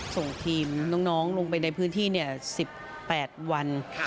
ส่งทีมน้องลงไปในพื้นที่๑๘วัน